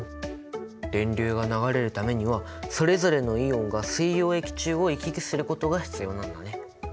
電流が流れるためにはそれぞれのイオンが水溶液中を行き来することが必要なんだね。